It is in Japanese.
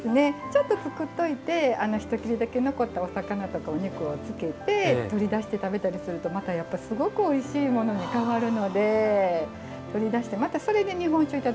ちょっと作っといて１切れだけ残ったお魚とかお肉を漬けて取り出して食べたりするとまたやっぱすごくおいしいものに変わるので取り出してまたそれで日本酒頂くとおいしいんですよ。